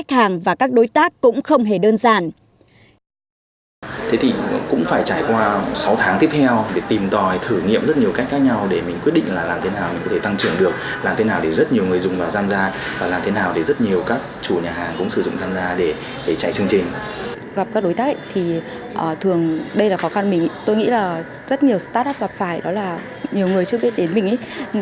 gặp các đối tác thì thường đây là khó khăn mình tôi nghĩ là rất nhiều start up gặp phải đó là nhiều người chưa biết đến mình